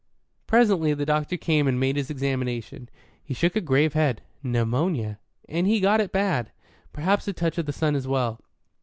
Presently the doctor came and made his examination. He shook a grave head. "Pneumonia. And he has got it bad. Perhaps a touch of the sun as well."